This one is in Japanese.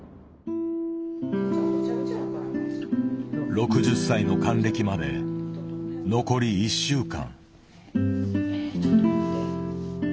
６０歳の還暦まで残り１週間。